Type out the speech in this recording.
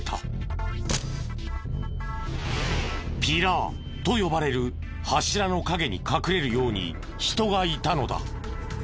ピラーと呼ばれる柱の影に隠れるように人がいたのだ。